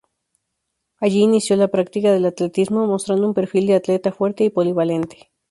Allí inició la práctica del atletismo, mostrando un perfil de atleta fuerte y polivalente.